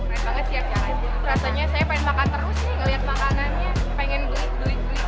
keren banget sih rasanya saya pengen makan terus nih ngeliat makanan nya pengen beli beli